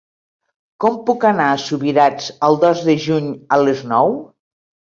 Com puc anar a Subirats el dos de juny a les nou?